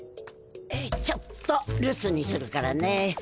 ちょっと留守にするからね。